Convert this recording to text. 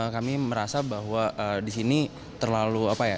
kami merasa bahwa di sini terlalu apa ya